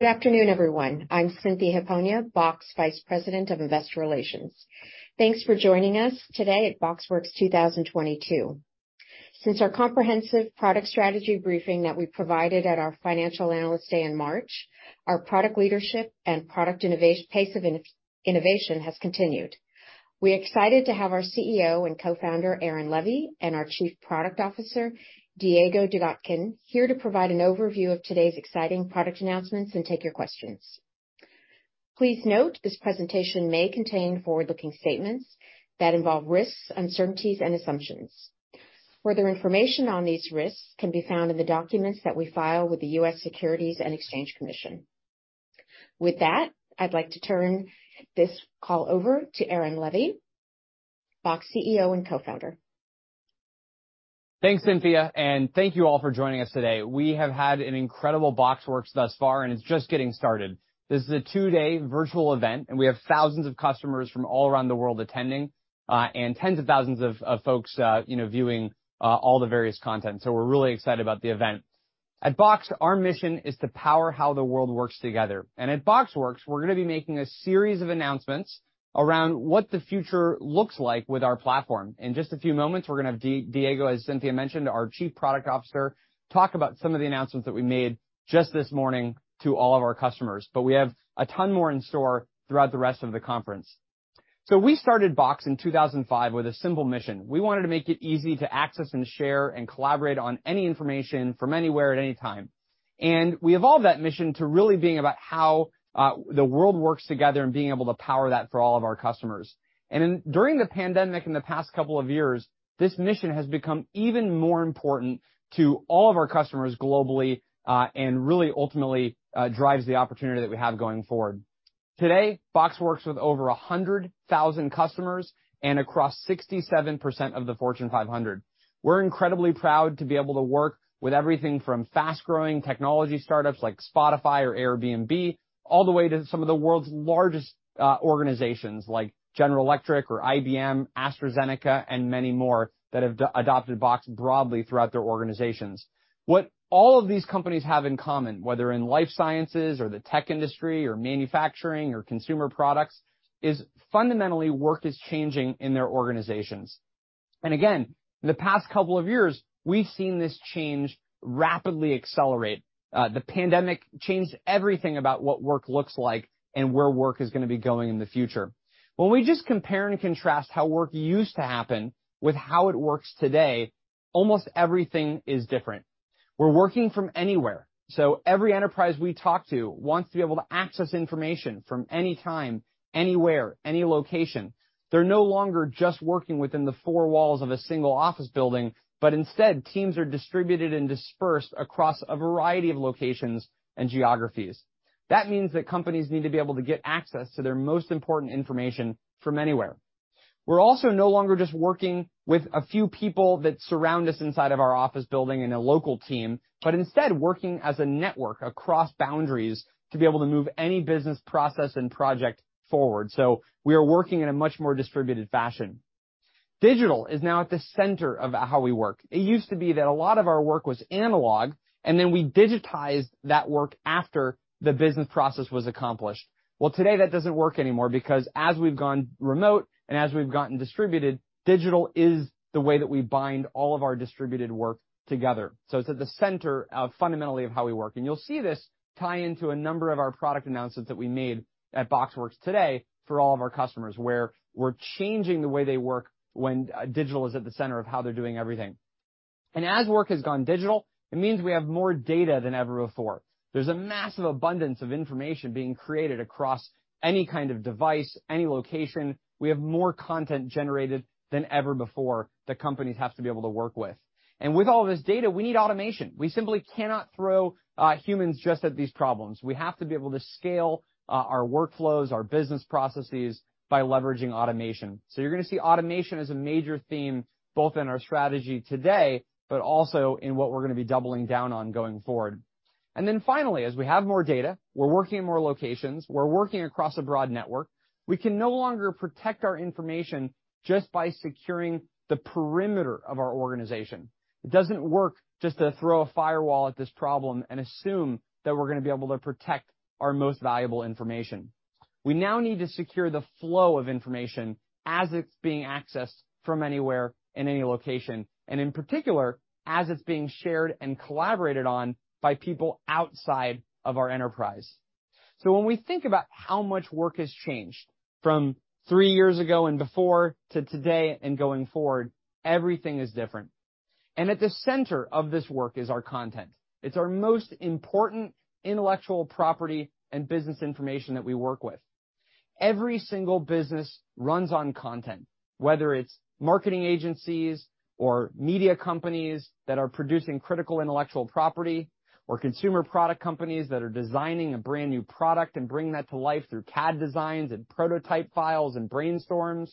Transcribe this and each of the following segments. Good afternoon, everyone. I'm Cynthia Hiponia, Box Vice President of Investor Relations. Thanks for joining us today at BoxWorks 2022. Since our comprehensive product strategy briefing that we provided at our financial analyst day in March, our product leadership and pace of innovation has continued. We're excited to have our CEO and Co-Founder, Aaron Levie, and our Chief Product Officer, Diego Dugatkin, here to provide an overview of today's exciting product announcements and take your questions. Please note, this presentation may contain forward-looking statements that involve risks, uncertainties, and assumptions. Further information on these risks can be found in the documents that we file with the U.S. Securities and Exchange Commission. With that, I'd like to turn this call over to Aaron Levie, Box CEO and co-founder. Thanks, Cynthia, and thank you all for joining us today. We have had an incredible BoxWorks thus far, and it's just getting started. This is a two-day virtual event, and we have thousands of customers from all around the world attending, and tens of thousands of folks, you know, viewing all the various content, so we're really excited about the event. At Box, our mission is to power how the world works together. At BoxWorks, we're gonna be making a series of announcements around what the future looks like with our platform. In just a few moments, we're gonna have Diego, as Cynthia mentioned, our Chief Product Officer, talk about some of the announcements that we made just this morning to all of our customers. We have a ton more in store throughout the rest of the conference. We started Box in 2005 with a simple mission. We wanted to make it easy to access and share and collaborate on any information from anywhere at any time. We evolved that mission to really being about how the world works together and being able to power that for all of our customers. During the pandemic in the past couple of years, this mission has become even more important to all of our customers globally, and really ultimately drives the opportunity that we have going forward. Today, Box works with over 100,000 customers and across 67% of the Fortune 500. We're incredibly proud to be able to work with everything from fast-growing technology startups like Spotify or Airbnb, all the way to some of the world's largest organizations like General Electric or IBM, AstraZeneca, and many more that have adopted Box broadly throughout their organizations. What all of these companies have in common, whether in life sciences or the tech industry or manufacturing or consumer products, is fundamentally, work is changing in their organizations. In the past couple of years, we've seen this change rapidly accelerate. The pandemic changed everything about what work looks like and where work is gonna be going in the future. When we just compare and contrast how work used to happen with how it works today, almost everything is different. We're working from anywhere, so every enterprise we talk to wants to be able to access information from any time, anywhere, any location. They're no longer just working within the four walls of a single office building, but instead, teams are distributed and dispersed across a variety of locations and geographies. That means that companies need to be able to get access to their most important information from anywhere. We're also no longer just working with a few people that surround us inside of our office building in a local team, but instead working as a network across boundaries to be able to move any business process and project forward. We are working in a much more distributed fashion. Digital is now at the center of how we work. It used to be that a lot of our work was analog, and then we digitized that work after the business process was accomplished. Well, today, that doesn't work anymore because as we've gone remote and as we've gotten distributed, digital is the way that we bind all of our distributed work together. It's at the center of fundamentally of how we work, and you'll see this tie into a number of our product announcements that we made at BoxWorks today for all of our customers, where we're changing the way they work when digital is at the center of how they're doing everything. As work has gone digital, it means we have more data than ever before. There's a massive abundance of information being created across any kind of device, any location. We have more content generated than ever before that companies have to be able to work with. With all of this data, we need automation. We simply cannot throw humans just at these problems. We have to be able to scale our workflows, our business processes by leveraging automation. You're gonna see automation as a major theme, both in our strategy today, but also in what we're gonna be doubling down on going forward. Finally, as we have more data, we're working in more locations, we're working across a broad network. We can no longer protect our information just by securing the perimeter of our organization. It doesn't work just to throw a firewall at this problem and assume that we're gonna be able to protect our most valuable information. We now need to secure the flow of information as it's being accessed from anywhere in any location, and in particular, as it's being shared and collaborated on by people outside of our enterprise. When we think about how much work has changed from three years ago and before to today and going forward, everything is different. At the center of this work is our content. It's our most important intellectual property and business information that we work with. Every single business runs on content, whether it's marketing agencies or media companies that are producing critical intellectual property, or consumer product companies that are designing a brand-new product and bringing that to life through CAD designs and prototype files and brainstorms,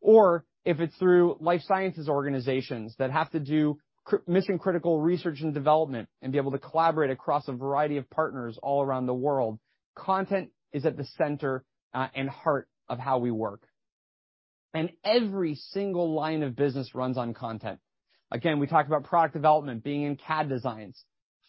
or if it's through life sciences organizations that have to do critical research and development and be able to collaborate across a variety of partners all around the world, content is at the center, and heart of how we work. Every single line of business runs on content. Again, we talked about product development being in CAD designs.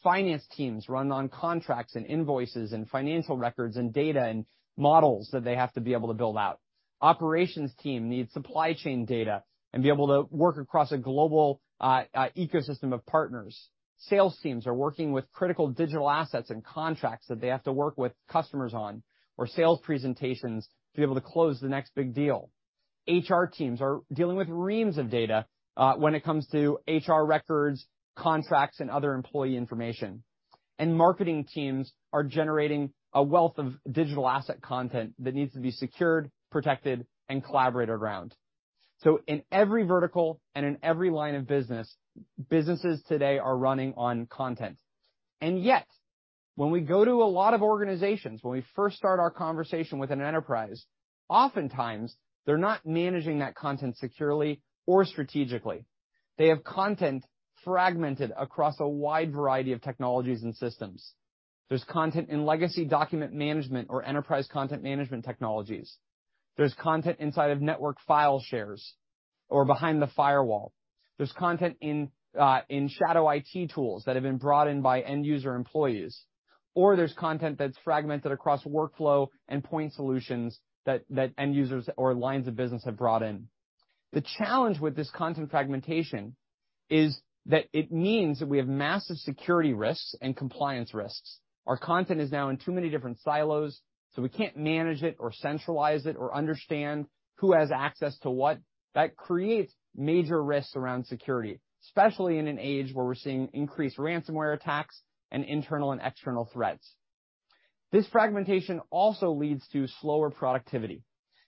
Finance teams run on contracts, and invoices, and financial records and data and models that they have to be able to build out. Operations team needs supply chain data and be able to work across a global ecosystem of partners. Sales teams are working with critical digital assets and contracts that they have to work with customers on or sales presentations to be able to close the next big deal. HR teams are dealing with reams of data when it comes to HR records, contracts, and other employee information. Marketing teams are generating a wealth of digital asset content that needs to be secured, protected, and collaborated around. In every vertical and in every line of business, businesses today are running on content. Yet, when we go to a lot of organizations, when we first start our conversation with an enterprise, oftentimes they're not managing that content securely or strategically. They have content fragmented across a wide variety of technologies and systems. There's content in legacy document management or enterprise content management technologies. There's content inside of network file shares or behind the firewall. There's content in shadow IT tools that have been brought in by end-user employees. Or there's content that's fragmented across workflow and point solutions that end users or lines of business have brought in. The challenge with this content fragmentation is that it means that we have massive security risks and compliance risks. Our content is now in too many different silos, so we can't manage it, or centralize it or understand who has access to what. That creates major risks around security, especially in an age where we're seeing increased ransomware attacks and internal and external threats. This fragmentation also leads to slower productivity.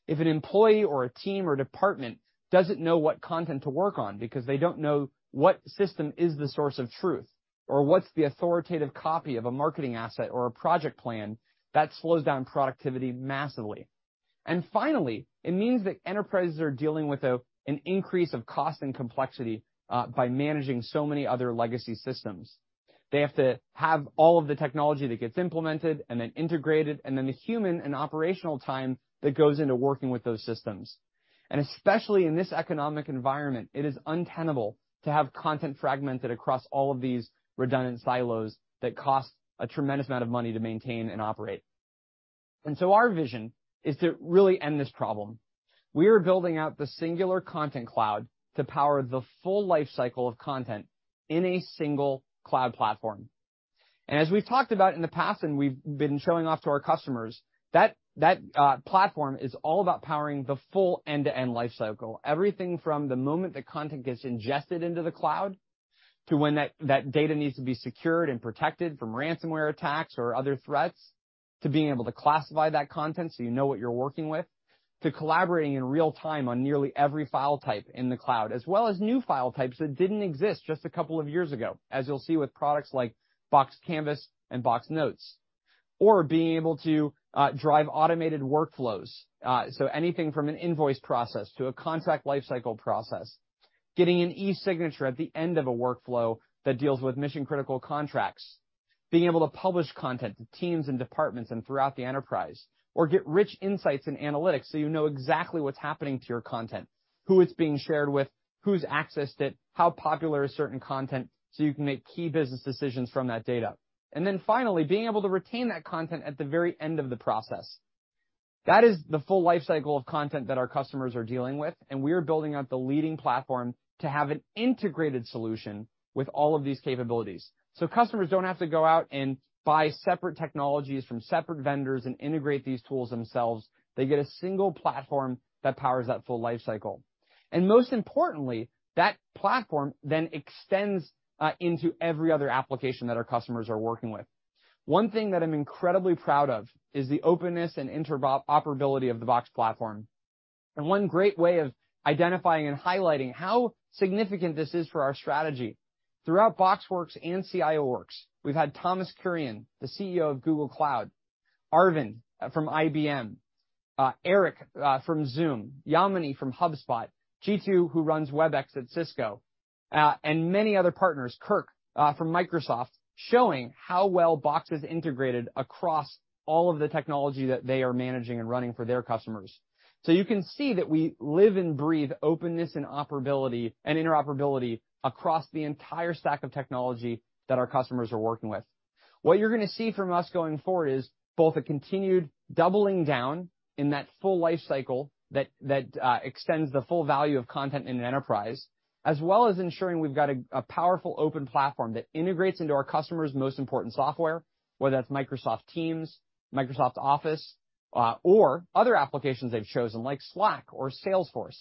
If an employee, or a team or department, doesn't know what content to work on because they don't know what system is the source of truth or what's the authoritative copy of a marketing asset or a project plan, that slows down productivity massively. Finally, it means that enterprises are dealing with an increase of cost and complexity by managing so many other legacy systems. They have to have all of the technology that gets implemented and then integrated, and then the human and operational time that goes into working with those systems. Especially in this economic environment, it is untenable to have content fragmented across all of these redundant silos that cost a tremendous amount of money to maintain and operate. Our vision is to really end this problem. We are building out the singular Content Cloud to power the full lifecycle of content in a single cloud platform. As we've talked about in the past, and we've been showing off to our customers, that platform is all about powering the full end-to-end lifecycle. Everything from the moment the content gets ingested into the cloud, to when that data needs to be secured and protected from ransomware attacks or other threats, to being able to classify that content so you know what you're working with, to collaborating in real time on nearly every file type in the cloud, as well as new file types that didn't exist just a couple of years ago, as you'll see with products like Box Canvas and Box Notes. Being able to drive automated workflows. Anything from an invoice process to a contract lifecycle process. Getting an e-signature at the end of a workflow that deals with mission-critical contracts. Being able to publish content to teams and departments and throughout the enterprise, or get rich insights and analytics, so you know exactly what's happening to your content, who it's being shared with, who's accessed it, how popular is certain content, so you can make key business decisions from that data. Then finally, being able to retain that content at the very end of the process. That is the full lifecycle of content that our customers are dealing with, and we are building out the leading platform to have an integrated solution with all of these capabilities. Customers don't have to go out and buy separate technologies from separate vendors and integrate these tools themselves. They get a single platform that powers that full lifecycle. Most importantly, that platform then extends into every other application that our customers are working with. One thing that I'm incredibly proud of is the openness and interoperability of the Box platform. One great way of identifying and highlighting how significant this is for our strategy, throughout BoxWorks and CIO Works, we've had Thomas Kurian, the CEO of Google Cloud, Arvind from IBM, Eric from Zoom, Yamini from HubSpot, Jeetu, who runs Webex at Cisco, and many other partners, Kirk from Microsoft, showing how well Box is integrated across all of the technology that they are managing and running for their customers. You can see that we live and breathe openness, and operability, and interoperability across the entire stack of technology that our customers are working with. What you're gonna see from us going forward is both a continued doubling down in that full life cycle that extends the full value of content in an enterprise, as well as ensuring we've got a powerful open platform that integrates into our customers' most important software, whether that's Microsoft Teams, Microsoft Office, or other applications they've chosen, like Slack or Salesforce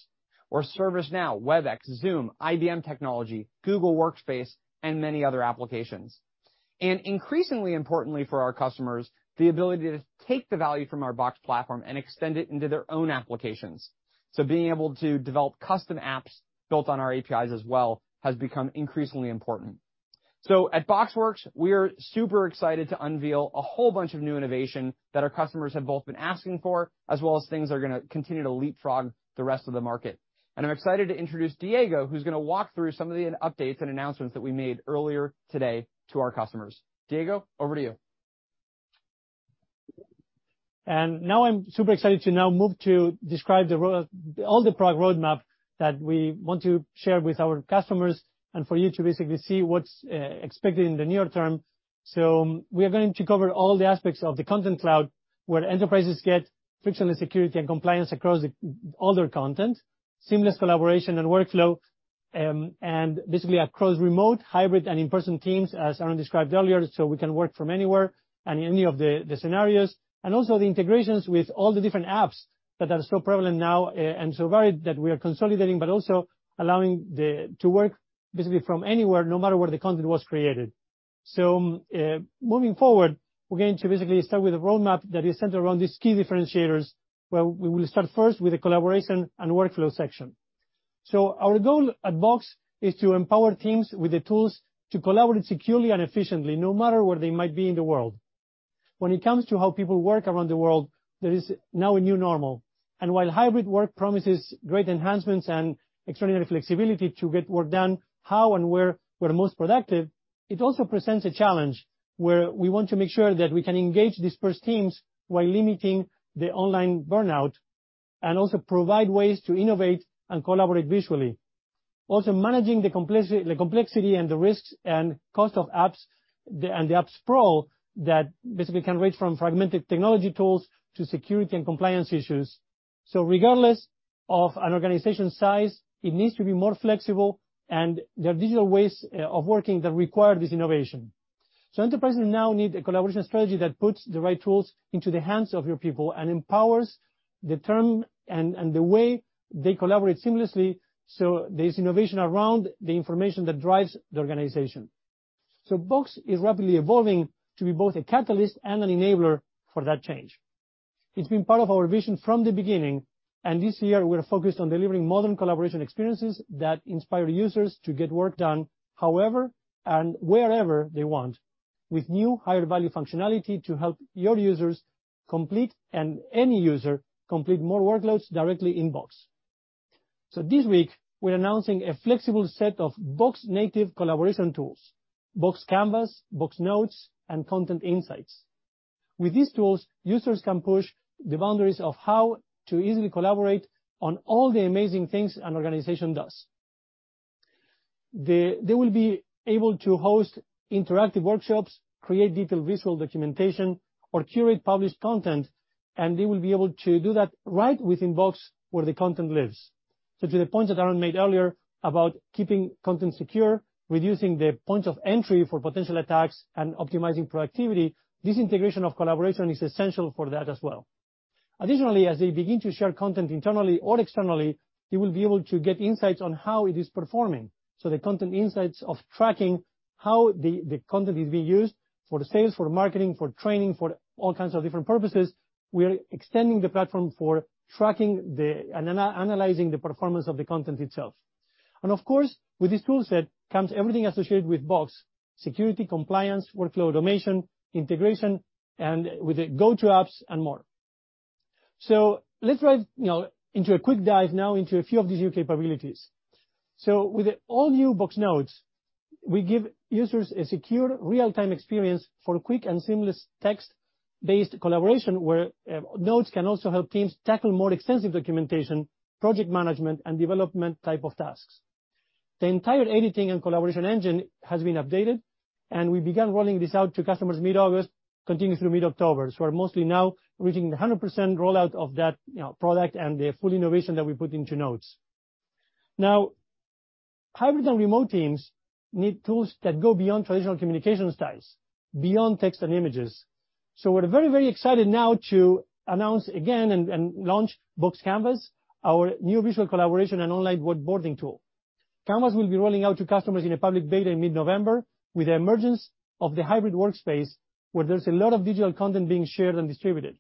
or ServiceNow, Webex, Zoom, IBM Technology, Google Workspace, and many other applications. Increasingly importantly for our customers, the ability to take the value from our Box platform and extend it into their own applications. Being able to develop custom apps built on our APIs as well has become increasingly important. At BoxWorks, we are super excited to unveil a whole bunch of new innovation that our customers have both been asking for, as well as things that are gonna continue to leapfrog the rest of the market. I'm excited to introduce Diego, who's gonna walk through some of the updates and announcements that we made earlier today to our customers. Diego, over to you. Now I'm super excited to now move to describe all the product roadmap that we want to share with our customers, and for you to basically see what's expected in the near term. We are going to cover all the aspects of the Content Cloud, where enterprises get frictionless security and compliance across all their content, seamless collaboration and workflow, and basically across remote, hybrid, and in-person teams, as Aaron described earlier, so we can work from anywhere and in any of the scenarios. Also, the integrations with all the different apps that are so prevalent now and so varied that we are consolidating, but also allowing to work basically from anywhere, no matter where the content was created. Moving forward, we're going to basically start with a roadmap that is centered around these key differentiators, where we will start first with the collaboration and workflow section. Our goal at Box is to empower teams with the tools to collaborate securely and efficiently, no matter where they might be in the world. When it comes to how people work around the world, there is now a new normal, and while hybrid work promises great enhancements and extraordinary flexibility to get work done, how and where we're most productive, it also presents a challenge, where we want to make sure that we can engage dispersed teams while limiting the online burnout and also provide ways to innovate and collaborate visually. Also, managing the complexity and the risks and costs of apps and the app sprawl that basically can range from fragmented technology tools to security and compliance issues. Regardless of an organization's size, it needs to be more flexible, and there are digital ways of working that require this innovation. Enterprises now need a collaboration strategy that puts the right tools into the hands of your people and empowers the team and the way they collaborate seamlessly, so there's innovation around the information that drives the organization. Box is rapidly evolving to be both a catalyst and an enabler for that change. It's been part of our vision from the beginning, and this year we're focused on delivering modern collaboration experiences that inspire users to get work done however and wherever they want, with new higher-value functionality to help your users complete, and any user complete more workloads directly in Box. This week, we're announcing a flexible set of Box native collaboration tools, Box Canvas, Box Notes, and Content Insights. With these tools, users can push the boundaries of how to easily collaborate on all the amazing things an organization does. They will be able to host interactive workshops, create detailed visual documentation, or curate published content, and they will be able to do that right within Box where the content lives. To the point that Aaron made earlier about keeping content secure, reducing the points of entry for potential attacks, and optimizing productivity, this integration of collaboration is essential for that as well. Additionally, as they begin to share content internally or externally, they will be able to get insights on how it is performing. The Content Insights of tracking how the content is being used for the sales, for marketing, for training, for all kinds of different purposes, we are extending the platform for tracking and analyzing the performance of the content itself. Of course, with this toolset comes everything associated with Box, security, compliance, workflow, automation, integration, and with the go-to apps and more. Let's dive, you know, into a quick dive now into a few of these new capabilities. With the all-new Box Notes, we give users a secure, real-time experience for quick and seamless text-based collaboration, where Notes can also help teams tackle more extensive documentation, project management, and development type of tasks. The entire editing and collaboration engine has been updated, and we began rolling this out to customers in mid-August, continuing through mid-October. We're mostly now reaching the 100% rollout of that, you know, product, and the full innovation that we put into Notes. Now, hybrid and remote teams need tools that go beyond traditional communication styles, beyond text and images. We're very, very excited now to announce again and launch Box Canvas, our new visual collaboration and online whiteboarding tool. Canvas will be rolling out to customers in a public beta in mid-November with the emergence of the hybrid workspace, where there's a lot of digital content being shared and distributed.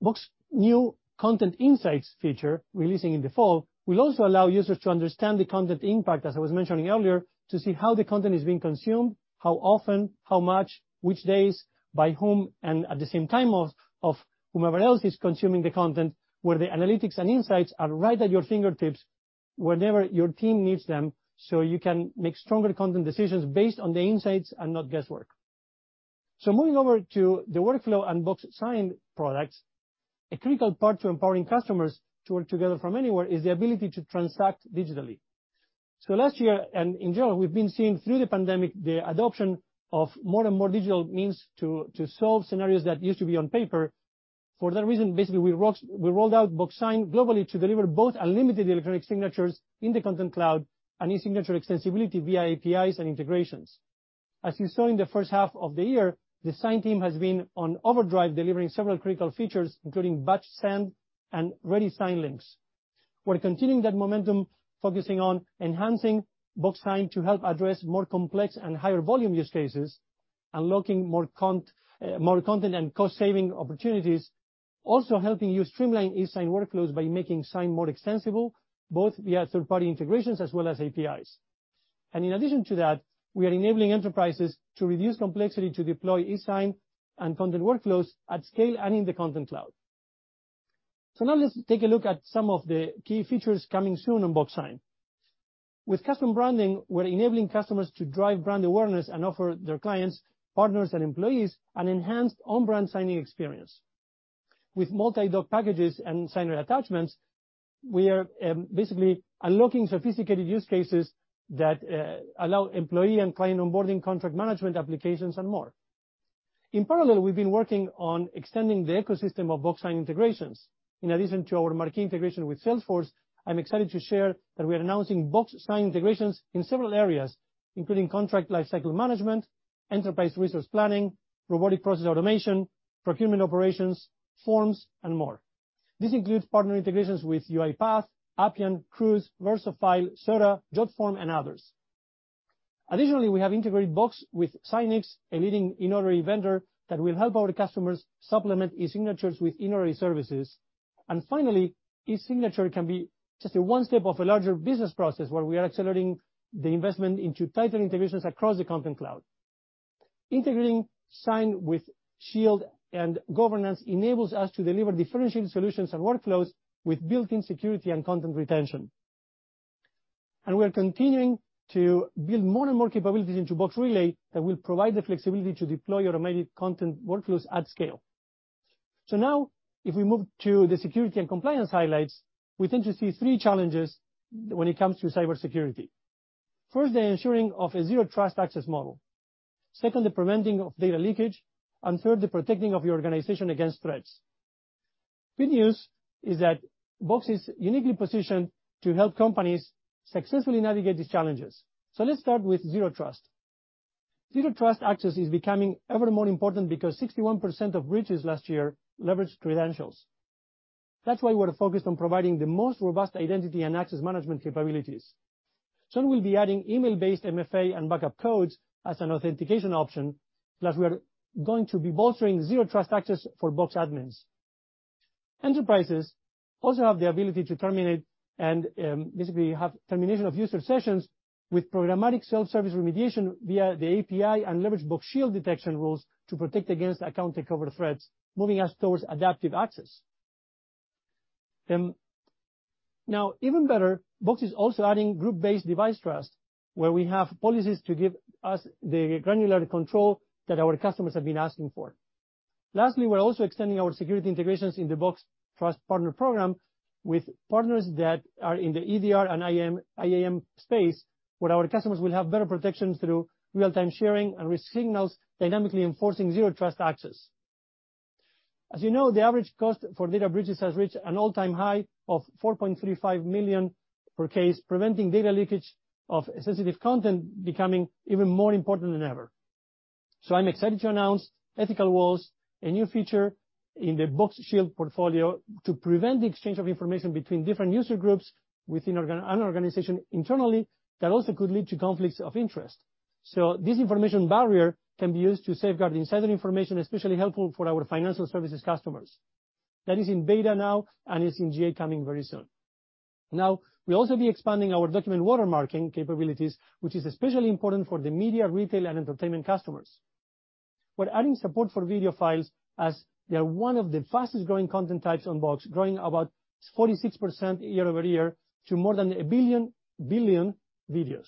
Box's new Content Insights feature, releasing in the fall, will also allow users to understand the content impact, as I was mentioning earlier, to see how the content is being consumed, how often, how much, which days, by whom, and at the same time of whomever else is consuming the content, where the analytics and insights are right at your fingertips whenever your team needs them, so you can make stronger content decisions based on the insights and not guesswork. Moving over to the workflow and Box Sign products, a critical part to empowering customers to work together from anywhere is the ability to transact digitally. Last year, and in general, we've been seeing through, the pandemic the adoption of more and more digital means to solve scenarios that used to be on paper. For that reason, basically, we rolled out Box Sign globally to deliver both unlimited electronic signatures in the Content Cloud and e-signature extensibility via APIs and integrations. As you saw in the first half of the year, the Sign team has been on overdrive, delivering several critical features, including batch send and ready Sign links. We're continuing that momentum, focusing on enhancing Box Sign to help address more complex and higher volume use cases, unlocking more content and cost-saving opportunities, also helping you streamline e-Sign workflows by making Sign more extensible, both via third-party integrations as well as APIs. In addition to that, we are enabling enterprises to reduce complexity to deploy e-Sign and content workflows at scale and in the Content Cloud. Now let's take a look at some of the key features coming soon on Box Sign. With custom branding, we're enabling customers to drive brand awareness and offer their clients, partners, and employees an enhanced on-brand signing experience. With multi-doc packages and signer attachments, we are basically unlocking sophisticated use cases that allow employee and client onboarding contract management applications and more. In parallel, we've been working on extending the ecosystem of Box Sign integrations. In addition to our marquee integration with Salesforce, I'm excited to share that we are announcing Box Sign integrations in several areas, including contract lifecycle management, enterprise resource planning, robotic process automation, procurement operations, forms, and more. This includes partner integrations with UiPath, Appian, Cruise, VersaFile, Sora, JotForm, and others. Additionally, we have integrated Box with SIGNiX, a leading online notary vendor that will help our customers supplement e-signatures with online notary services. Finally, e-signature can be just one step of a larger business process where we are accelerating the investment into tighter integrations across the Content Cloud. Integrating Box Sign with Box Shield and governance enables us to deliver differentiated solutions and workflows with built-in security and content retention. We are continuing to build more and more capabilities into Box Relay that will provide the flexibility to deploy automatic content workflows at scale. Now, if we move to the security and compliance highlights, we tend to see three challenges when it comes to cybersecurity. First, the ensuring of a Zero Trust access model. Second, the preventing of data leakage. Third, the protecting of your organization against threats. Good news is that Box is uniquely positioned to help companies successfully navigate these challenges. Let's start with Zero Trust. Zero Trust access is becoming ever more important because 61% of breaches last year leveraged credentials. That's why we're focused on providing the most robust identity and access management capabilities. Soon, we'll be adding email-based MFA and backup codes as an authentication option, plus we are going to be bolstering Zero Trust access for Box admins. Enterprises also have the ability to terminate and basically have termination of user sessions with programmatic self-service remediation via the API and leverage Box Shield detection rules to protect against account takeover threats, moving us towards adaptive access. Now, even better, Box is also adding group-based device trust, where we have policies to give us the granular control that our customers have been asking for. Lastly, we're also extending our security integrations in the Box Trust Partner Program with partners that are in the EDR and IAM space, where our customers will have better protection through real-time sharing and risk signals, dynamically enforcing Zero Trust access. As you know, the average cost for data breaches has reached an all-time high of $4.35 million per case. Preventing data leakage of sensitive content is becoming even more important than ever. I'm excited to announce Ethical Walls, a new feature in the Box Shield portfolio to prevent the exchange of information between different user groups within an organization internally that also could lead to conflicts of interest. This information barrier can be used to safeguard insider information, especially helpful for our financial services customers. That is in beta now, and it's in GA coming very soon. Now, we'll also be expanding our document watermarking capabilities, which is especially important for the media, retail, and entertainment customers. We're adding support for video files as they are one of the fastest-growing content types on Box, growing about 46% year-over-year to more than a billion videos.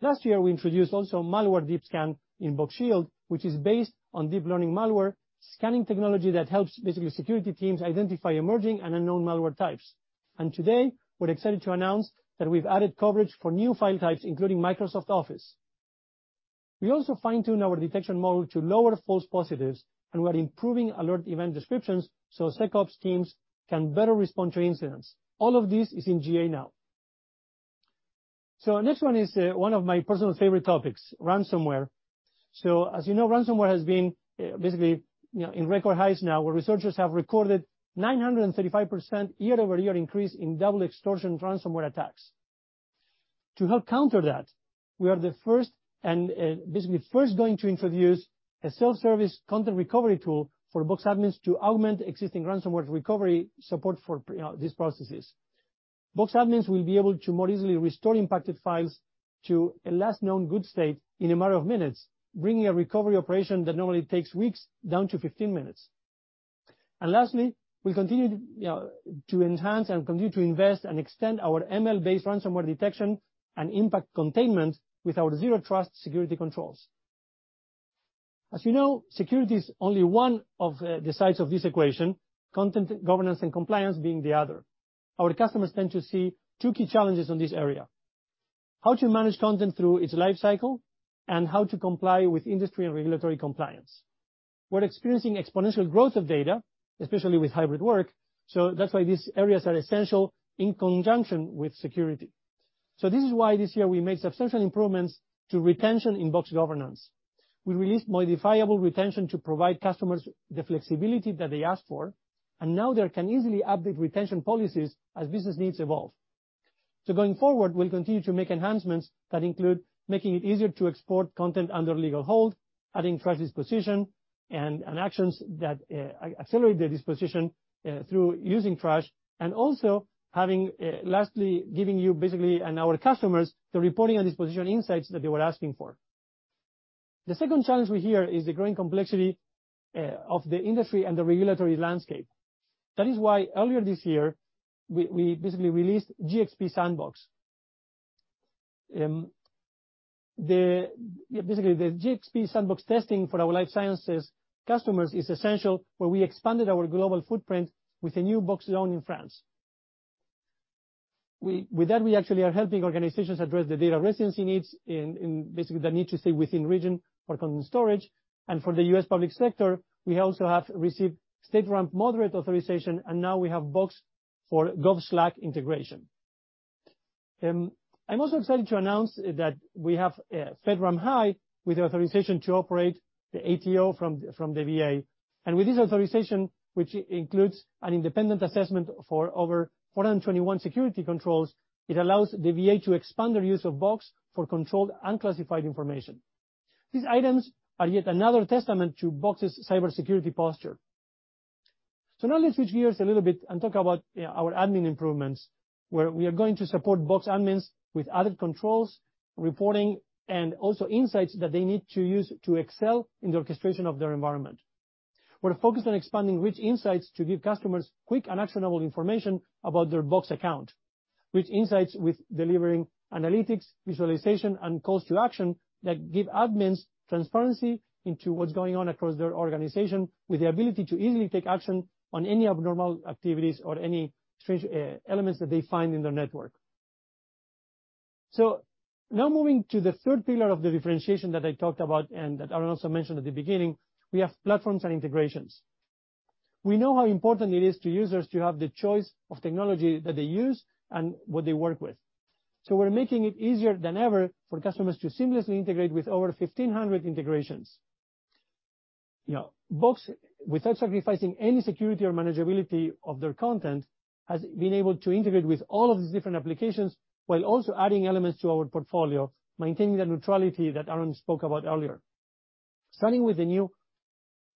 Last year, we introduced also Malware Deep Scan in Box Shield, which is based on deep learning malware scanning technology that helps basically security teams identify emerging and unknown malware types. Today, we're excited to announce that we've added coverage for new file types, including Microsoft Office. We also fine-tune our detection model to lower false positives, and we're improving alert event descriptions so SecOps teams can better respond to incidents. All of this is in GA now. Next one is one of my personal favorite topics, ransomware. As you know, ransomware has been basically, you know, in record highs now, where researchers have recorded 935% year-over-year increase in double extortion ransomware attacks. To help counter that, we are the first going to introduce a self-service content recovery tool for Box admins to augment existing ransomware recovery support for, you know, these processes. Box admins will be able to more easily restore impacted files to a last known good state in a matter of minutes, bringing a recovery operation that normally takes weeks down to 15 minutes. Lastly, we continue to enhance, and continue to invest, and extend our ML-based ransomware detection and impact containment with our Zero Trust security controls. As you know, security is only one of the sides of this equation, content governance and compliance being the other. Our customers tend to see two key challenges in this area, how to manage content through its lifecycle and how to comply with industry and regulatory compliance. We're experiencing exponential growth of data, especially with hybrid work. That's why these areas are essential in conjunction with security. This is why this year, we made substantial improvements to retention in Box governance. We released modifiable retention to provide customers the flexibility that they asked for, and now they can easily update retention policies as business needs evolve. Going forward, we'll continue to make enhancements that include making it easier to export content under legal hold, adding trash disposition and actions that accelerate the disposition through using trash, and also lastly giving you basically and our customers the reporting and disposition insights that they were asking for. The second challenge we hear is the growing complexity of the industry and the regulatory landscape. That is why earlier this year we basically released GxP Sandbox. Basically, the GxP Sandbox testing for our life sciences customers is essential, where we expanded our global footprint with a new Box Zone in France. With that, we actually are helping organizations address the data residency needs in basically the need to stay within region for content storage. For the U.S. public sector, we also have received StateRAMP Moderate authorization, and now we have Box for GovSlack integration. I'm also excited to announce that we have FedRAMP High with the authorization to operate the ATO from the VA. With this authorization, which includes an independent assessment for over 421 security controls, it allows the VA to expand their use of Box for controlled unclassified information. These items are yet another testament to Box's cybersecurity posture. Now let's switch gears a little bit and talk about our admin improvements, where we are going to support Box admins with added controls, reporting, and also insights that they need to use to excel in the orchestration of their environment. We're focused on expanding rich insights to give customers quick and actionable information about their Box account. With insights into delivering analytics, visualization, and calls to action that give admins transparency into what's going on across their organization, with the ability to easily take action on any abnormal activities or any strange elements that they find in their network. Now moving to the third pillar of the differentiation that I talked about and that Aaron also mentioned at the beginning, we have platforms and integrations. We know how important it is to users to have the choice of technology that they use and what they work with. We're making it easier than ever for customers to seamlessly integrate with over 1,500 integrations. You know, Box, without sacrificing any security or manageability of their content, has been able to integrate with all of these different applications while also adding elements to our portfolio, maintaining the neutrality that Aaron spoke about earlier. Starting with the new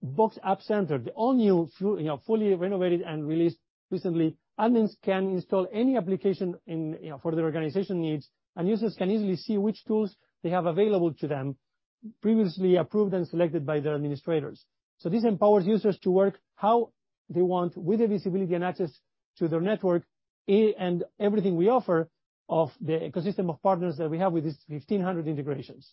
Box App Center, the all-new, you know, fully renovated and released recently, admins can install any application in, you know, for their organization needs, and users can easily see which tools they have available to them, previously approved and selected by their administrators. This empowers users to work how they want with the visibility and access to their network and everything we offer of the ecosystem of partners that we have with these 1,500 integrations.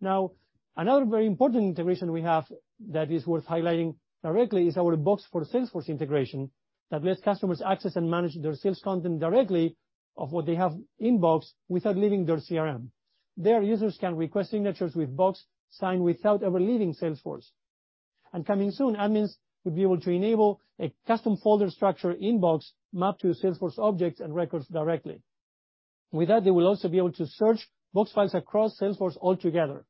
Now, another very important integration we have that is worth highlighting directly is our Box for Salesforce integration that lets customers access and manage their sales content directly of what they have in Box without leaving their CRM. There, users can request signatures with Box Sign without ever leaving Salesforce. Coming soon, admins will be able to enable a custom folder structure in Box mapped to Salesforce objects and records directly. With that, they will also be able to search Box files across Salesforce altogether.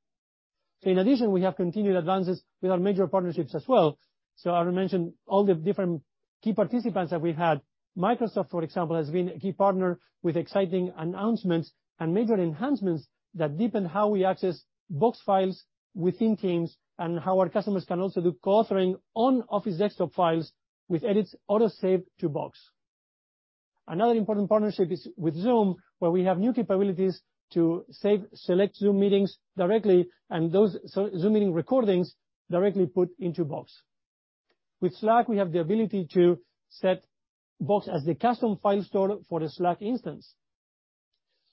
In addition, we have continued advances with our major partnerships as well. Aaron mentioned all the different key participants that we've had. Microsoft, for example, has been a key partner with exciting announcements and major enhancements that deepen how we access Box files within Teams and how our customers can also do co-authoring on Office desktop files with edits auto-saved to Box. Another important partnership is with Zoom, where we have new capabilities to save select Zoom meetings directly, and those Zoom meeting recordings directly put into Box. With Slack, we have the ability to set Box as the custom file store for the Slack instance.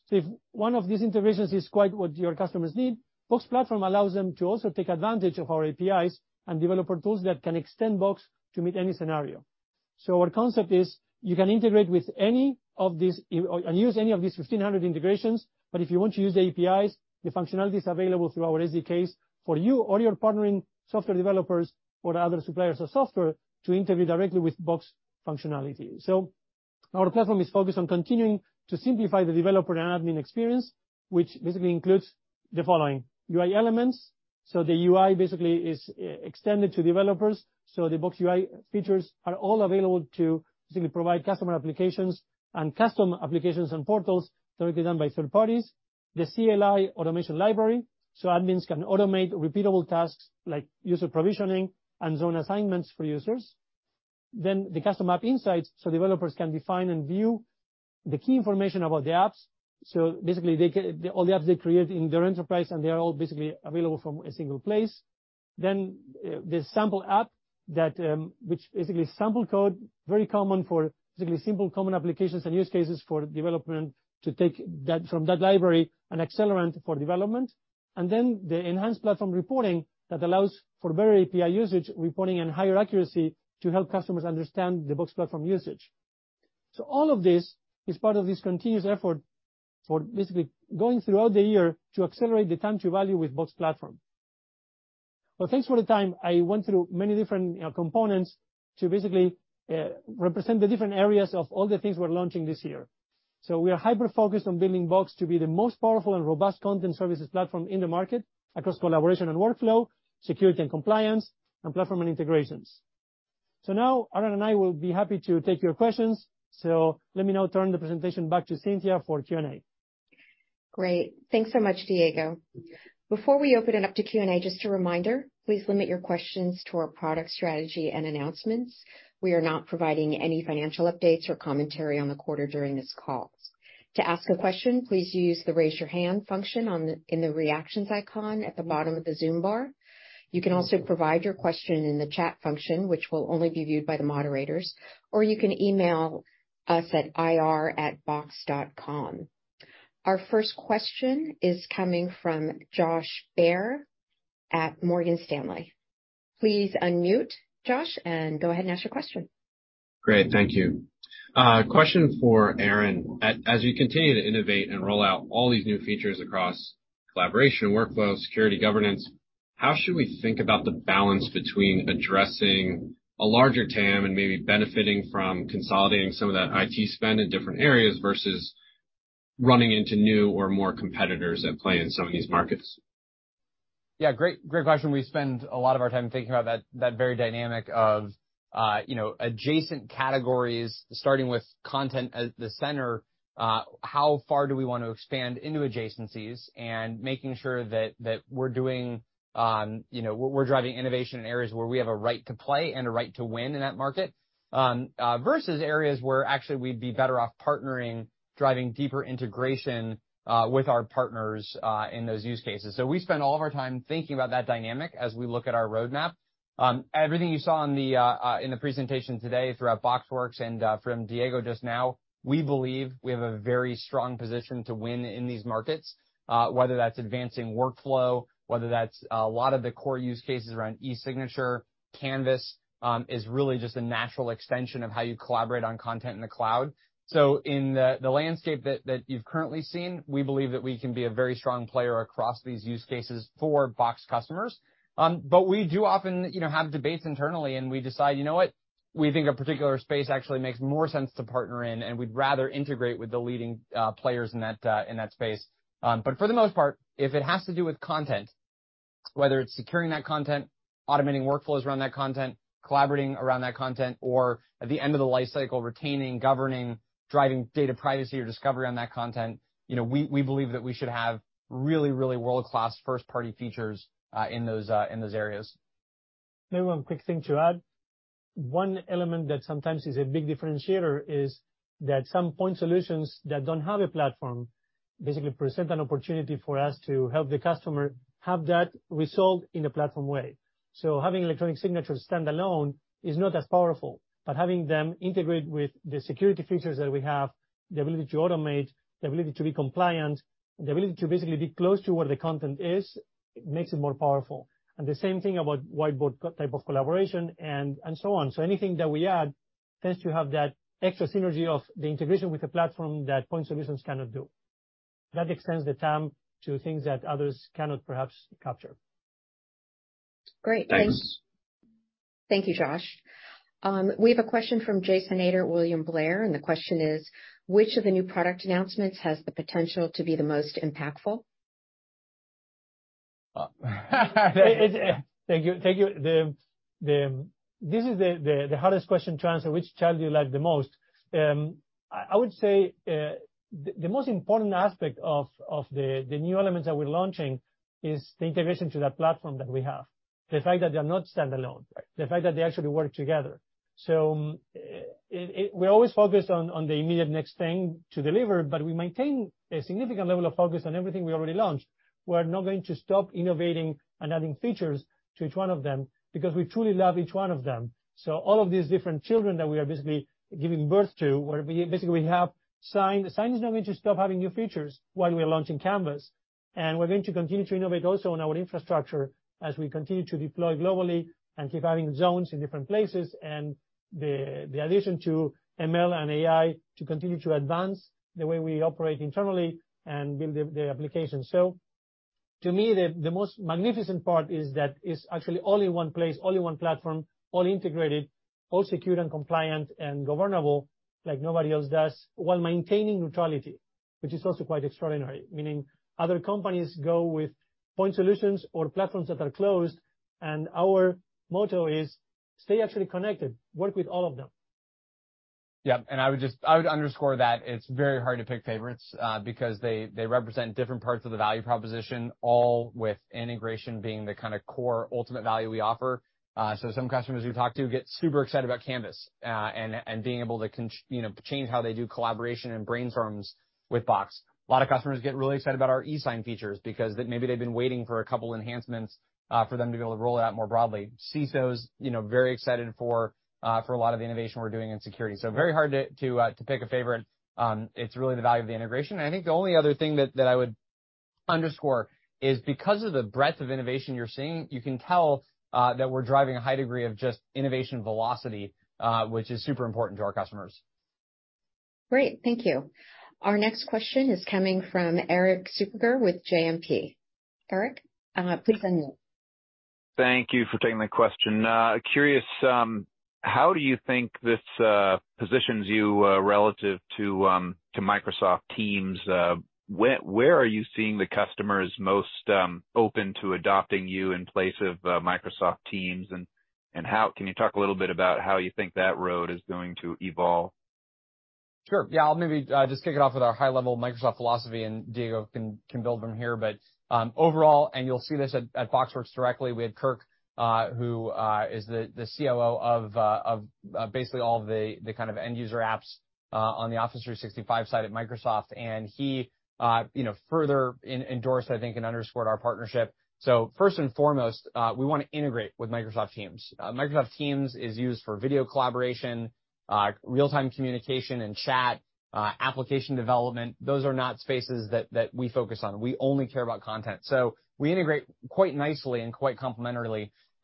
If one of these integrations is quite what your customers need, Box Platform allows them to also take advantage of our APIs and developer tools that can extend Box to meet any scenario. Our concept is you can integrate with any of these or use any of these 1,500 integrations, but if you want to use the APIs, the functionality is available through our SDKs for you or your partnering software developers or other suppliers of software to integrate directly with Box functionality. Our platform is focused on continuing to simplify the developer and admin experience, which basically includes the following UI elements. The UI basically is extended to developers. The Box UI features are all available to basically provide customer applications, and custom applications, and portals directly done by third parties. The CLI automation library, so admins can automate repeatable tasks like user provisioning and zone assignments for users. The custom app insights, so developers can define and view the key information about the apps. Basically, they get all the apps they create in their enterprise, and they are all basically available from a single place. The sample app that, which is basically sample code, very common for basically simple common applications and use cases for development to take that from that library, an accelerant for development. The enhanced platform reporting that allows for better API usage reporting and higher accuracy to help customers understand the Box Platform usage. All of this is part of this continuous effort for basically going throughout the year to accelerate the time to value with Box Platform. Well, thanks for the time. I went through many different, you know, components to basically represent the different areas of all the things we're launching this year. We are hyper-focused on building Box to be the most powerful and robust content services platform in the market across collaboration and workflow, security and compliance, and platform and integrations. Now, Aaron and I will be happy to take your questions. Let me now turn the presentation back to Cynthia for Q&A. Great. Thanks so much, Diego. Before we open it up to Q&A, just a reminder, please limit your questions to our product strategy and announcements. We are not providing any financial updates or commentary on the quarter during this call. To ask a question, please use the Raise Your Hand function in the Reactions icon at the bottom of the Zoom bar. You can also provide your question in the chat function, which will only be viewed by the moderators, or you can email us at ir@box.com. Our first question is coming from Josh Baer at Morgan Stanley. Please unmute, Josh, and go ahead and ask your question. Great. Thank you. Question for Aaron. As we continue to innovate and roll out all these new features across collaboration, workflow, security, governance, how should we think about the balance between addressing a larger TAM and maybe benefiting from consolidating some of that IT spend in different areas versus running into new or more competitors at play in some of these markets? Yeah, great question. We spend a lot of our time thinking about that very dynamic of, you know, adjacent categories, starting with content at the center, how far do we want to expand into adjacencies and making sure that we're doing, you know, we're driving innovation in areas where we have a right to play and a right to win in that market, versus areas where actually we'd be better off partnering, driving deeper integration with our partners in those use cases. We spend all of our time thinking about that dynamic as we look at our roadmap. Everything you saw in the presentation today throughout BoxWorks and from Diego just now, we believe we have a very strong position to win in these markets, whether that's advancing workflow, whether that's a lot of the core use cases around e-signature. Canvas is really just a natural extension of how you collaborate on content in the cloud. In the landscape that you've currently seen, we believe that we can be a very strong player across these use cases for Box customers. We do often, you know, have debates internally, and we decide, you know what? We think a particular space actually makes more sense to partner in, and we'd rather integrate with the leading players in that space. For the most part, if it has to do with content, whether it's securing that content, automating workflows around that content, collaborating around that content, or at the end of the life cycle, retaining, governing, driving data privacy or discovery on that content, you know, we believe that we should have really, really world-class first-party features in those areas. Maybe one quick thing to add. One element that sometimes is a big differentiator is that some point solutions that don't have a platform basically present an opportunity for us to help the customer have that result in a platform way. Having electronic signatures stand alone is not as powerful, but having them integrate with the security features that we have, the ability to automate, the ability to be compliant, the ability to basically be close to where the content is, makes it more powerful. The same thing about whiteboard-type of collaboration and so on. Anything that we add tends to have that extra synergy of the integration with the platform that point solutions cannot do. That extends the TAM to things that others cannot perhaps capture. Great. Thanks. Thanks. Thank you, Josh. We have a question from Jason Ader, William Blair, and the question is: Which of the new product announcements has the potential to be the most impactful? Thank you. Thank you. This is the hardest question to answer. Which child do you like the most? I would say, the most important aspect of the new elements that we're launching is the integration to that platform that we have. The fact that they are not standalone. Right. The fact that they actually work together. We're always focused on the immediate next thing to deliver, but we maintain a significant level of focus on everything we already launched. We're not going to stop innovating and adding features to each one of them because we truly love each one of them. All of these different children that we are basically giving birth to, where we basically have Sign. Sign is not going to stop having new features while we are launching Canvas. We're going to continue to innovate also on our infrastructure as we continue to deploy globally and keep adding zones in different places and the addition to ML and AI to continue to advance the way we operate internally and build the application. To me, the most magnificent part is that it's actually all in one place, all in one platform, all integrated, all secure and compliant and governable like nobody else does, while maintaining neutrality, which is also quite extraordinary. Meaning other companies go with point solutions or platforms that are closed, and our motto is stay actually connected, work with all of them. Yeah, I would underscore that it's very hard to pick favorites, because they represent different parts of the value proposition, all with integration being the kinda core ultimate value we offer. Some customers we talk to get super excited about Canvas, and being able to you know, change how they do collaboration and brainstorms with Box. A lot of customers get really excited about our e-sign features because maybe they've been waiting for a couple enhancements, for them to be able to roll it out more broadly. CISO is, you know, very excited for a lot of the innovation we're doing in security. Very hard to pick a favorite. It's really the value of the integration. I think the only other thing that I would underscore is because of the breadth of innovation you're seeing, you can tell that we're driving a high degree of just innovation velocity, which is super important to our customers. Great. Thank you. Our next question is coming from Erik Suppiger with JMP. Erik, please unmute. Thank you for taking the question. Curious, how do you think this positions you relative to Microsoft Teams? Where are you seeing the customers most open to adopting you in place of Microsoft Teams and- How can you talk a little bit about how you think that road is going to evolve? Sure. Yeah, I'll maybe just kick it off with our high-level Microsoft philosophy, and Diego can build from here. Overall, you'll see this at BoxWorks directly. We had Kirk, who is the COO of basically all the kind of end-user apps on the Office 365 side at Microsoft. He you know further endorsed, I think, and underscored our partnership. First and foremost, we wanna integrate with Microsoft Teams. Microsoft Teams is used for video collaboration, real-time communication and chat, application development. Those are not spaces that we focus on. We only care about content. We integrate quite nicely and quite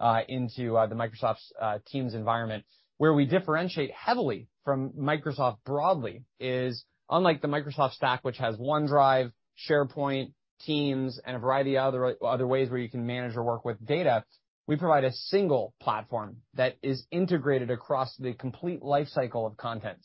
complementarily into Microsoft's Teams environment. Where we differentiate heavily from Microsoft broadly is unlike the Microsoft stack, which has OneDrive, SharePoint, Teams, and a variety of other ways where you can manage or work with data, we provide a single platform that is integrated across the complete life cycle of content.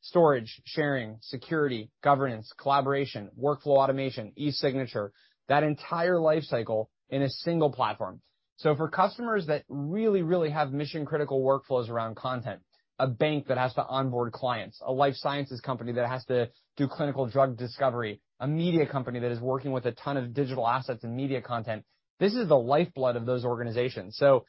Storage, sharing, security, governance, collaboration, workflow automation, e-signature, that entire life cycle in a single platform. For customers that really, really have mission-critical workflows around content, a bank that has to onboard clients, a life sciences company that has to do clinical drug discovery, a media company that is working with a ton of digital assets and media content, this is the lifeblood of those organizations. To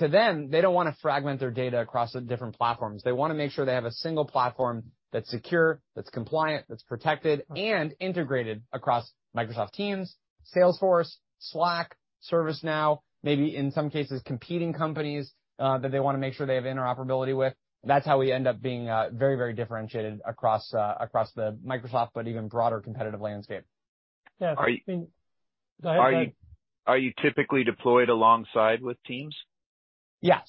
them, they don't wanna fragment their data across the different platforms. They wanna make sure they have a single platform that's secure, that's compliant, that's protected and integrated across Microsoft Teams, Salesforce, Slack, ServiceNow, maybe in some cases, competing companies, that they wanna make sure they have interoperability with. That's how we end up being very, very differentiated across the Microsoft, but even broader competitive landscape. Are you- Yeah, I mean, Go ahead, Erik. Are you typically deployed alongside with Teams? In a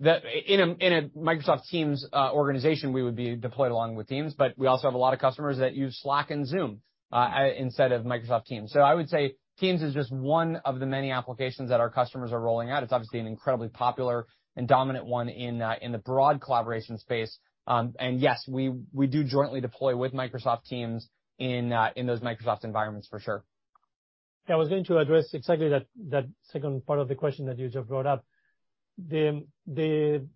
Microsoft Teams organization, we would be deployed along with Teams, but we also have a lot of customers that use Slack and Zoom instead of Microsoft Teams. I would say Teams is just one of the many applications that our customers are rolling out. It's obviously an incredibly popular and dominant one in the broad collaboration space. Yes, we do jointly deploy with Microsoft Teams in those Microsoft environments for sure. Yeah. I was going to address exactly that second part of the question that you just brought up. The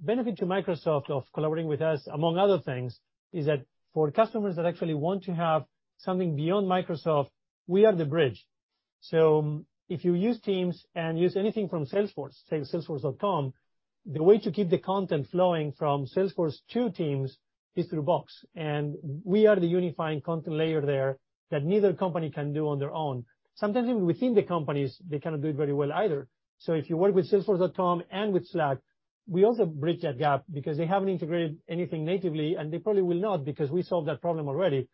benefit to Microsoft of collaborating with us, among other things, is that for customers that actually want to have something beyond Microsoft, we are the bridge. If you use Teams and use anything from Salesforce, say Salesforce, the way to keep the content flowing from Salesforce to Teams is through Box. We are the unifying content layer there that neither company can do on their own. Sometimes even within the companies, they cannot do it very well either. If you work with Salesforce and with Slack, we also bridge that gap because they haven't integrated anything natively, and they probably will not because we solved that problem already.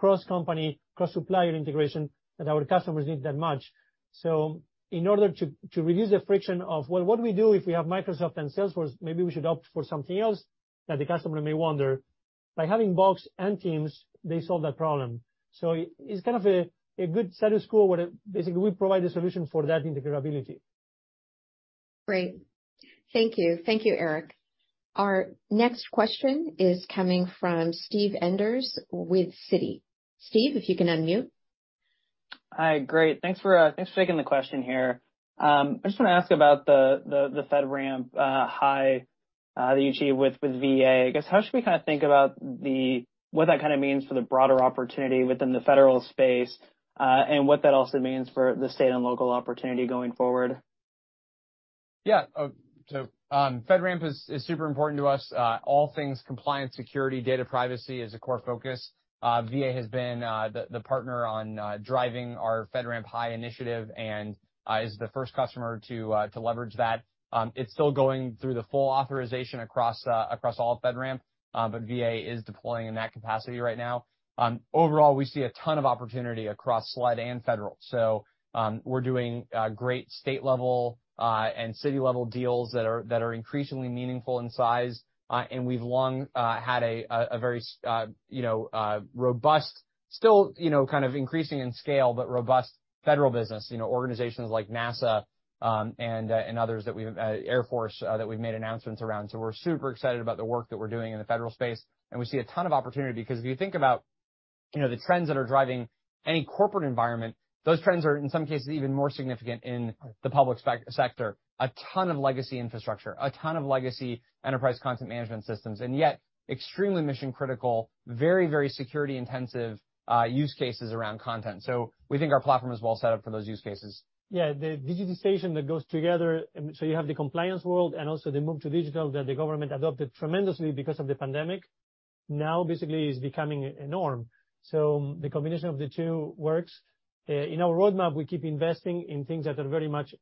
Both companies need us for sometimes internal integration and sometimes cross-company, cross-supplier integration, and our customers need that much. In order to reduce the friction of, "Well, what do we do if we have Microsoft and Salesforce? Maybe we should opt for something else," that the customer may wonder, by having Box and Teams, they solve that problem. It's kind of a good status quo where basically we provide a solution for that interoperability. Great. Thank you. Thank you, Erik. Our next question is coming from Steve Enders with Citi. Steve, if you can unmute. Hi. Great. Thanks for taking the question here. I just wanna ask about the FedRAMP high that you achieved with VA. I guess, how should we kinda think about what that kinda means for the broader opportunity within the federal space, and what that also means for the state and local opportunity going forward? Yeah. FedRAMP is super important to us. All things compliance, security, data privacy is a core focus. VA has been the partner on driving our FedRAMP High initiative and is the first customer to leverage that. It's still going through the full authorization across all FedRAMP, but VA is deploying in that capacity right now. Overall, we see a ton of opportunity across SLED and federal. We're doing great state-level and city-level deals that are increasingly meaningful in size. We've long had a very robust still, you know, kind of increasing in scale, but robust federal business. You know, organizations like NASA, Air Force, and others that we've made announcements around. We're super excited about the work that we're doing in the federal space, and we see a ton of opportunity because if you think about, you know, the trends that are driving any corporate environment, those trends are, in some cases, even more significant in the public sector. A ton of legacy infrastructure, a ton of legacy enterprise content management systems, and yet extremely mission-critical, very, very security-intensive use cases around content. We think our platform is well set up for those use cases. Yeah. The digitization that goes together, so you have the compliance world and also the move to digital that the government adopted tremendously because of the pandemic, now basically is becoming a norm. The combination of the two works. In our roadmap, we keep investing in things that are very much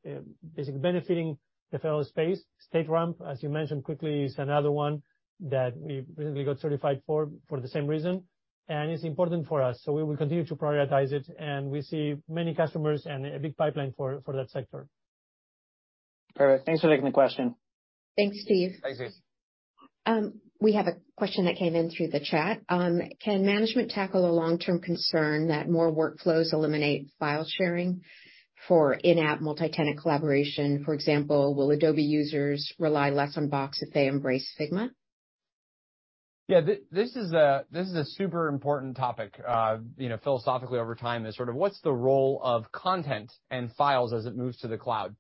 basically benefiting the federal space. StateRAMP, as you mentioned quickly, is another one that we recently got certified for the same reason, and it's important for us. We will continue to prioritize it, and we see many customers and a big pipeline for that sector. Perfect. Thanks for taking the question. Thanks, Steve. Thanks, Steve. We have a question that came in through the chat. Can management tackle the long-term concern that more workflows eliminate file sharing for in-app multi-tenant collaboration? For example, will Adobe users rely less on Box if they embrace Figma? Yeah, this is a super important topic, you know, philosophically over time, is sort of what's the role of content and files as it moves to the cloud.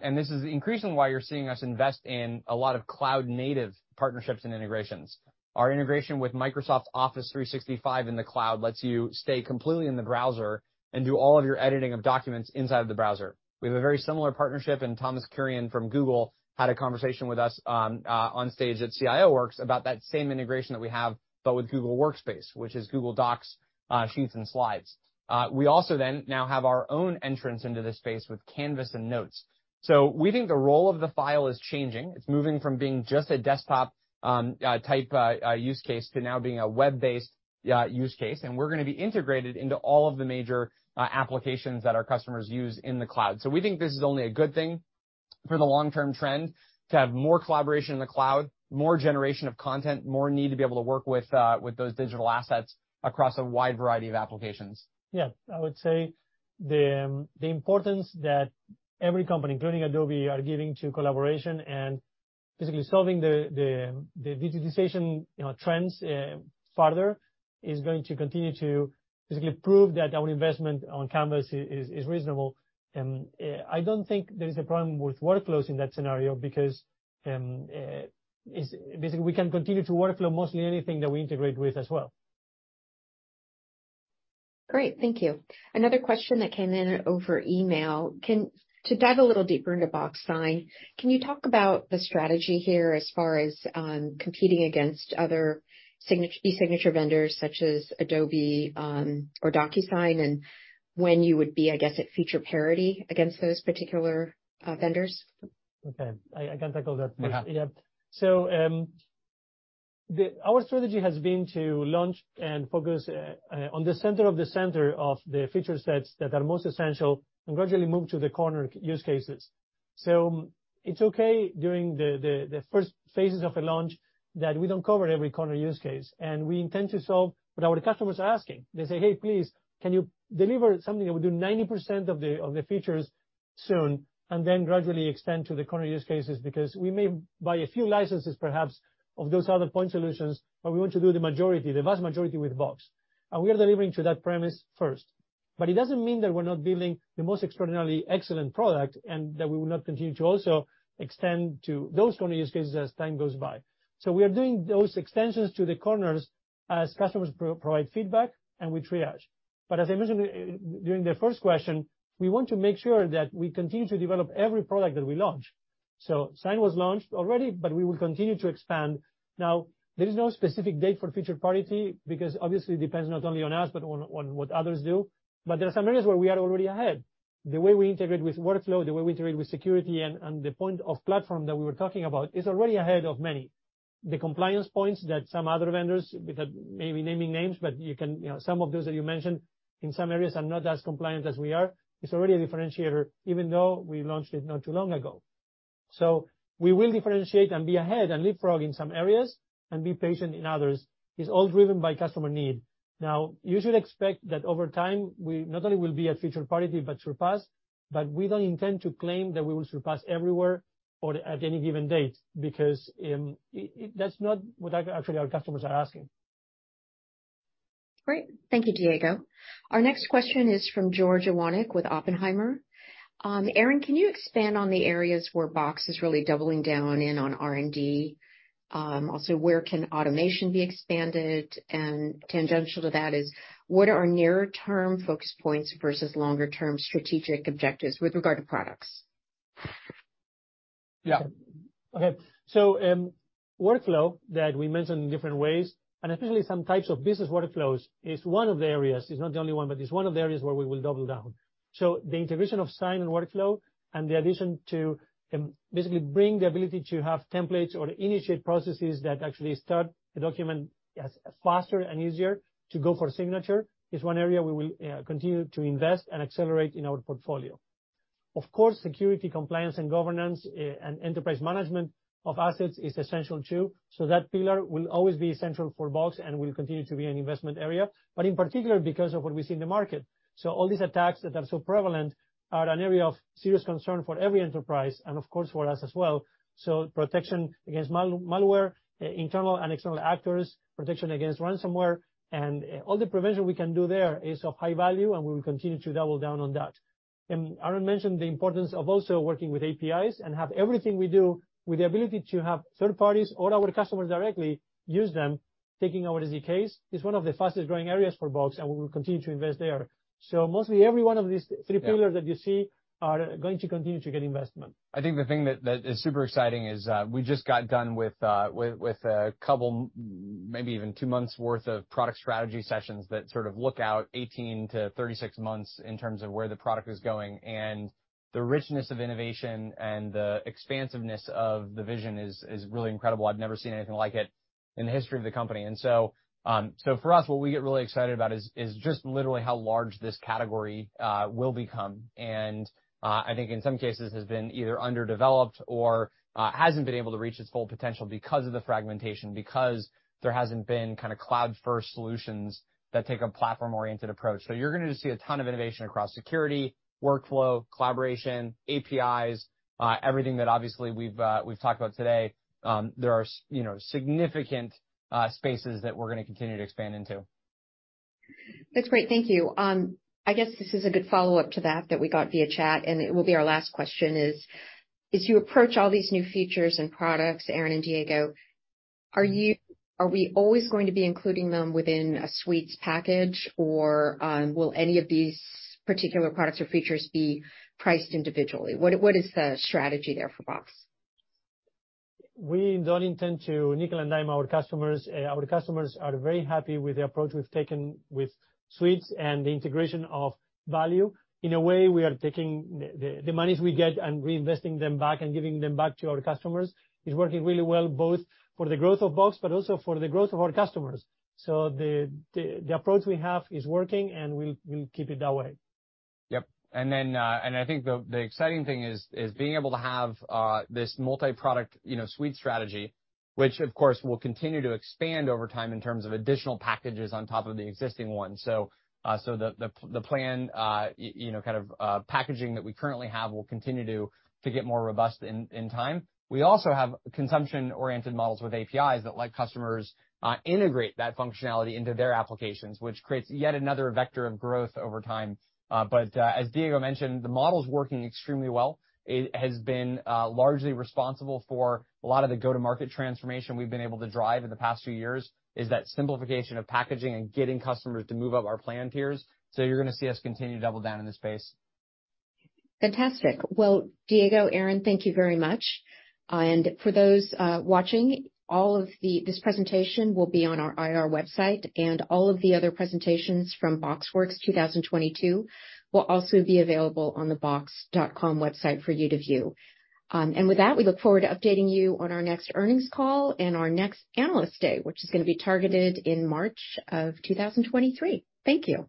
This is increasingly why you're seeing us invest in a lot of cloud native partnerships and integrations. Our integration with Microsoft Office 365 in the cloud lets you stay completely in the browser and do all of your editing of documents inside the browser. We have a very similar partnership, and Thomas Kurian from Google had a conversation with us on stage at BoxWorks about that same integration that we have, but with Google Workspace, which is Google Docs, Sheets and Slides. We also now have our own entrance into this space with Canvas and Notes. We think the role of the file is changing. It's moving from being just a desktop-type use case to now being a web-based, yeah, use case, and we're gonna be integrated into all of the major applications that our customers use in the cloud. We think this is only a good thing for the long-term trend to have more collaboration in the cloud, more generation of content, more need to be able to work with those digital assets across a wide variety of applications. Yeah. I would say the importance that every company, including Adobe, are giving to collaboration and basically solving the digitization, you know, trends further is going to continue to basically prove that our investment on Canvas is reasonable. I don't think there is a problem with workflows in that scenario because basically we can continue to workflow mostly anything that we integrate with as well. Great. Thank you. Another question that came in over email: To dive a little deeper into Box Sign, can you talk about the strategy here as far as competing against other e-signature vendors such as Adobe or DocuSign, and when you would be, I guess, at feature parity against those particular vendors? Okay. I can tackle that first. Yeah. Our strategy has been to launch and focus on the center of the center of the feature sets that are most essential and gradually move to the corner use cases. It's okay during the first phases of a launch that we don't cover every corner use case, and we intend to solve what our customers are asking. They say, "Hey, please, can you deliver something that will do 90% of the features soon, and then gradually extend to the corner use cases? Because we may buy a few licenses, perhaps of those other point solutions, but we want to do the majority, the vast majority with Box." We are delivering to that premise first. It doesn't mean that we're not building the most extraordinarily excellent product and that we will not continue to also extend to those corner use cases as time goes by. We are doing those extensions to the corners as customers provide feedback, and we triage. As I mentioned during the first question, we want to make sure that we continue to develop every product that we launch. Sign was launched already, but we will continue to expand. Now, there is no specific date for feature parity because obviously it depends not only on us, but on what others do. There are some areas where we are already ahead. The way we integrate with workflow, the way we integrate with security, and the power of the platform that we were talking about is already ahead of many. The compliance points that some other vendors, without maybe naming names, but you can, you know, some of those that you mentioned in some areas are not as compliant as we are. It's already a differentiator, even though we launched it not too long ago. We will differentiate and be ahead and leapfrog in some areas, and be patient in others. It's all driven by customer need. Now, you should expect that over time, we not only will be at feature parity but surpass, but we don't intend to claim that we will surpass everywhere or at any given date because that's not what our customers are asking, actually. Great. Thank you, Diego. Our next question is from George Iwanyc with Oppenheimer. Aaron, can you expand on the areas where Box is really doubling down on R&D? Also, where can automation be expanded? Tangential to that is, what are nearer term focus points versus longer term strategic objectives with regard to products? Yeah. Okay. Workflow that we mentioned in different ways, and especially some types of business workflows, is one of the areas. It's not the only one, but it's one of the areas where we will double down. The integration of Sign and workflow and the addition to basically bring the ability to have templates or initiate processes that actually start a document as faster and easier to go for signature is one area we will continue to invest and accelerate in our portfolio. Of course, security, compliance and governance and enterprise management of assets is essential, too. That pillar will always be essential for Box and will continue to be an investment area, but in particular because of what we see in the market. All these attacks that are so prevalent are an area of serious concern for every enterprise and of course, for us as well. Protection against malware, internal and external actors, protection against ransomware and all the prevention we can do there is of high value, and we will continue to double down on that. Aaron mentioned the importance of also working with APIs and have everything we do with the ability to have third parties or our customers directly use them, taking our SDKs, is one of the fastest growing areas for Box, and we will continue to invest there. Mostly every one of these three pillars. Yeah. that you see are going to continue to get investment. I think the thing that is super exciting is, we just got done with a couple maybe even two months worth of product strategy sessions that sort of look out 18-36 months in terms of where the product is going. The richness of innovation and the expansiveness of the vision is really incredible. I've never seen anything like it in the history of the company. For us, what we get really excited about is just literally how large this category will become. I think in some cases has been either underdeveloped or hasn't been able to reach its full potential because of the fragmentation, because there hasn't been kinda cloud-first solutions that take a platform-oriented approach. You're gonna just see a ton of innovation across security, workflow, collaboration, APIs, everything that obviously we've talked about today. There are, you know, significant spaces that we're gonna continue to expand into. That's great, thank you. I guess this is a good follow-up to that we got via chat, and it will be our last question is, as you approach all these new features and products, Aaron and Diego, are we always going to be including them within a suites package, or will any of these particular products or features be priced individually? What is the strategy there for Box? We don't intend to nickel and dime our customers. Our customers are very happy with the approach we've taken with suites and the integration of value. In a way, we are taking the monies we get and reinvesting them back and giving them back to our customers. It's working really well both for the growth of Box but also for the growth of our customers. The approach we have is working, and we'll keep it that way. Yep. I think the exciting thing is being able to have this multiproduct, you know, suite strategy, which of course will continue to expand over time in terms of additional packages on top of the existing ones. The planned, you know, kind of, packaging that we currently have will continue to get more robust in time. We also have consumption-oriented models with APIs that let customers integrate that functionality into their applications, which creates yet another vector of growth over time. As Diego mentioned, the model is working extremely well. It has been largely responsible for a lot of the go-to-market transformation we've been able to drive in the past few years, that is, the simplification of packaging and getting customers to move up our plan tiers. You're gonna see us continue to double down in this space. Fantastic. Well, Diego, Aaron, thank you very much. For those watching, all of this presentation will be on our IR website, and all of the other presentations from BoxWorks 2022 will also be available on the box.com website for you to view. With that, we look forward to updating you on our next earnings call and our next Analyst Day, which is gonna be targeted in March of 2023. Thank you.